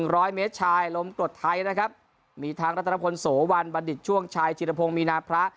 ร้อยเมตรชายล้มตรดไทยนะครับมีทั้งตราธรพนศวรรษบัดดิจช่วงชัยจิตพลมินาพระ